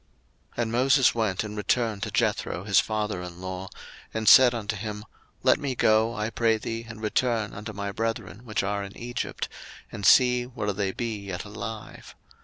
02:004:018 And Moses went and returned to Jethro his father in law, and said unto him, Let me go, I pray thee, and return unto my brethren which are in Egypt, and see whether they be yet alive.